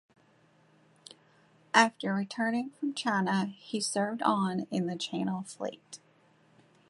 After returning from China, he served on in the Channel Fleet.